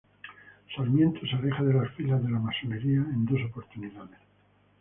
Sarmiento se alejó de las filas de la masonería en dos oportunidades.